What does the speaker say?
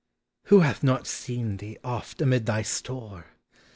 Who hath not seen thee oft amid thy store?